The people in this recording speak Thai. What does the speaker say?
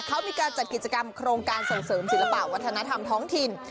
เขามีการจัดกิจกรรมโครงการส่งเสริมศิลปะวัฒนธรรมท้องถิ่น